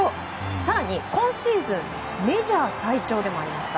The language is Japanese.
更に、今シーズンメジャー最長でもありました。